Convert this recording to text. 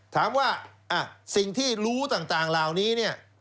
ถามว่าสิ่งที่รู้ต่างราวนี้